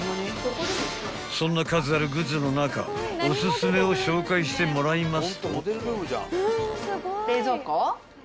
［そんな数あるグッズの中おすすめを紹介してもらいますと］